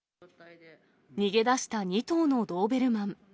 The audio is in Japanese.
逃げ出した２頭のドーベルマン。